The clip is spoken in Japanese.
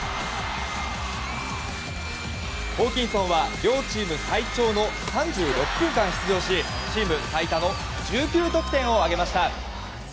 ホーキンソンは両チーム最長の、３６分間出場しチーム最多の１９得点を挙げました。